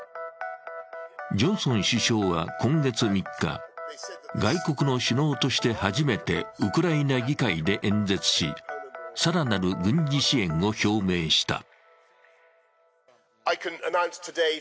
ジョンソン首相は今月３日、外国の首脳として初めてウクライナ議会で演説し、更なる軍事支援を表明した。